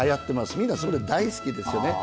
みんな、それが大好きですよね。